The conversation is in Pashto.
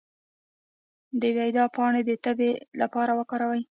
د بید پاڼې د تبې لپاره وکاروئ